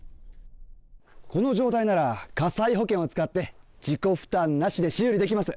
この状態なら、火災保険を使って、自己負担なしで修理できます。